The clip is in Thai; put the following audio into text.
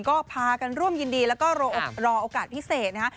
ก็พากันร่วมยินดีแล้วก็รอโอกาสพิเศษนะฮะ